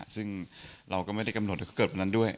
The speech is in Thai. ซึ่งเราก็ไม่ได้กำหนดให้เขาเกิดวันนั้นด้วย